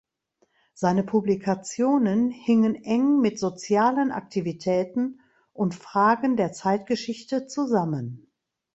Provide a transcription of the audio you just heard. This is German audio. Seine Publikationen hingen eng mit sozialen Aktivitäten und Fragen der Zeitgeschichte zusammen.